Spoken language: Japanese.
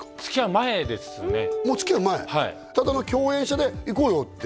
はいただの共演者で「行こうよ」って？